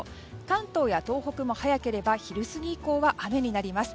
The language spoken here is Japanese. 関東や東北も早ければ昼過ぎ以降は雨になります。